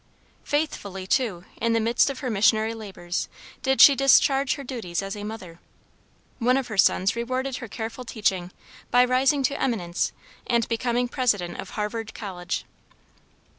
Faithfully too, in the midst of her missionary labors, did she discharge her duties as a mother. One of her sons rewarded her careful teaching by rising to eminence, and becoming President of Harvard College.